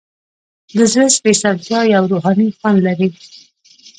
د زړه سپیڅلتیا یو روحاني خوند لري.